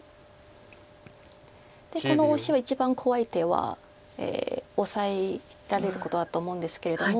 でこのオシは一番怖い手はオサえられることだと思うんですけれども。